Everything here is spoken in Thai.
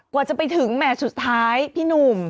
กว่าจะไปถึงแหม่สุดท้ายพี่หนุ่ม